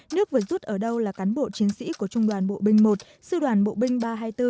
nước vừa rút ở đâu là cán bộ chiến sĩ của trung đoàn bộ binh một sư đoàn bộ binh ba trăm hai mươi bốn